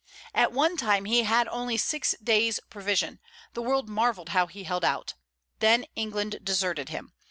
At one time he had only six days' provisions: the world marvelled how he held out. Then England deserted him.